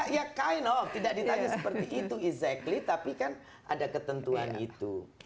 ya kain off tidak ditanya seperti itu exactly tapi kan ada ketentuan itu